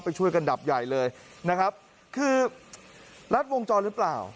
ช่วยกันดับใหญ่เลยนะครับคือรัดวงจรหรือเปล่า